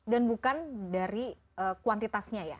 dan bukan dari kuantitasnya ya